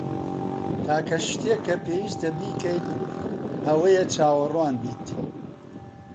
تاکە شتێک کە پێویستە بیکەیت ئەوەیە چاوەڕوان بیت.